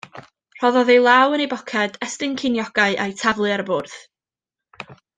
Rhoddodd ei law yn ei boced, estyn ceiniogau a'u taflu ar y bwrdd.